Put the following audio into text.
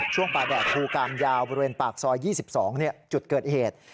ช่วงป่าแดดภูกามยาวบริเวณปากซอย๒๒จุดเกิดเหตุ